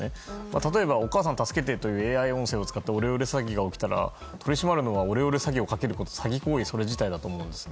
例えば、お母さん助けてというＡＩ音声を使ってオレオレ詐欺が起きたら取り締まるのはオレオレ詐欺をかける詐欺行為それ自体だと思うので。